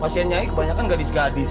pasien nyanyi kebanyakan gadis gadis